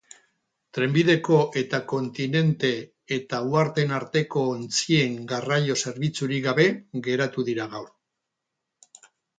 Trenbideko eta kontinente eta uharteen arteko ontzien garraio zerbitzurik gabe geratu dira gaur.